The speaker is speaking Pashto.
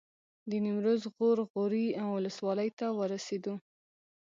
د نیمروز غور غوري ولسوالۍ ته ورسېدو.